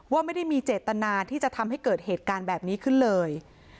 ว่าไม่ได้มีเจตนาที่จะทำให้เกิดเหตุการณ์แบบนี้ขึ้นเลย